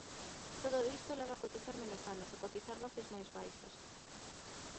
Todo isto leva a cotizar menos anos, a cotizar bases máis baixas.